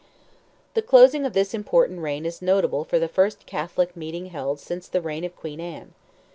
The closing of this important reign is notable for the first Catholic meeting held since the reign of Queen Anne.